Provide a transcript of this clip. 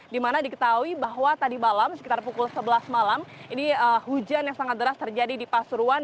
dimana diketahui bahwa tadi malam sekitar pukul sebelas malam ini hujan yang sangat deras terjadi di pasuruan